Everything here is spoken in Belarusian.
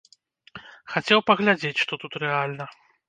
Хацеў паглядзець, што тут рэальна.